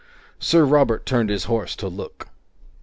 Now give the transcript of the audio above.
Sir Robert turned his horse to look.